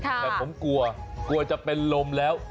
แต่ผมกลัวจะเป็นล้มแล้ว